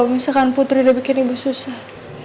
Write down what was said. misalkan putri udah bikin ibu susah